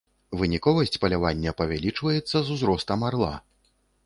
Выніковасць палявання павялічваецца з узростам арла.